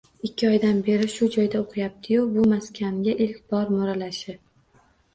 Ikki oydan beri shu joyda o`qiyapti-yu, bu maskanga ilk bor mo`ralashi